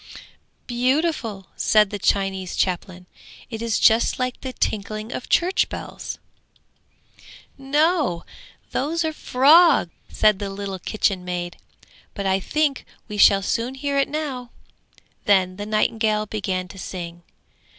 'Beautiful!' said the Chinese chaplain, 'it is just like the tinkling of church bells.' 'No, those are the frogs!' said the little kitchen maid. 'But I think we shall soon hear it now!' Then the nightingale began to sing.